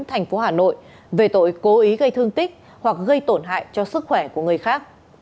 thành phố hà nội về tội cố ý gây thương tích hoặc gây tổn hại cho sức khỏe của người khác